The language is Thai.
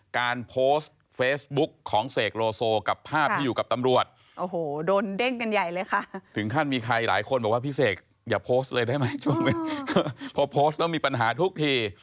คนบอกว่าพี่เสกอย่าโพสต์เลยได้ไหมพอโพสต์แล้วมีปัญหาทุกที